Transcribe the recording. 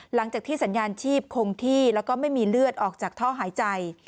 หลังจากที่สัญญาณชีพคงที่แล้วก็ไม่มีเลือดออกจากท่อหายใจ